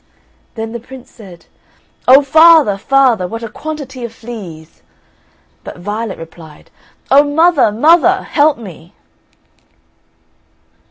Then the Prince said, "Oh, father, father, what a quantity of fleas!" But Violet replied, "Oh, mother, mother, help me!"